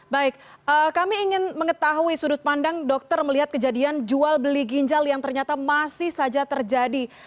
baik kami ingin mengetahui sudut pandang dokter melihat kejadian jual beli ginjal yang ternyata masih saja terjadi